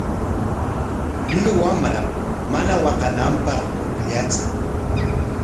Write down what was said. Llullu wamra mana waqananpaq pukllachiy.